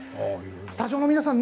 スタジオの皆さん